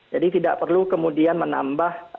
jadi tidak perlu kemudian menambah